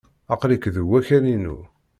Aql-ik deg wakal-inu.